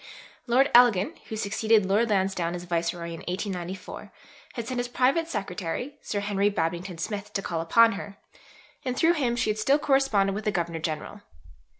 Lord Elgin, who succeeded Lord Lansdowne as Viceroy in 1894, had sent his private secretary, Sir Henry Babington Smith, to call upon her, and through him she had still corresponded with the Governor General.